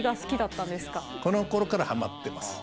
このころからはまってます